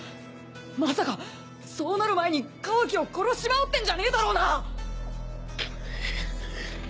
まさかそうなる前にカワキを殺しちまおうってんじゃねえだろうな！？